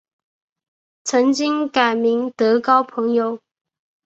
曾经改名德高朋友。